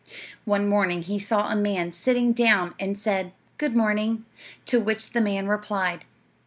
"One morning he saw a man sitting down, and said 'Good morning,' to which the man replied.